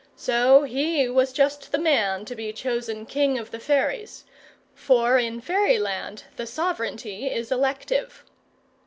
So he was just the man to be chosen king of the fairies, for in Fairyland the sovereignty is elective.